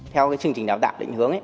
theo cái chương trình đào tạo định hướng ấy